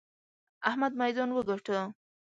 احمد ميدان وګاټه!